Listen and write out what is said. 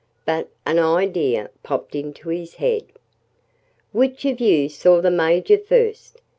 But an idea popped into his head. "Which of you saw the Major first?"